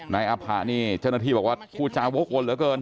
นายอภะนี่เจ้าหน้าที่บอกว่าพูดจาวกวนเหลือเกิน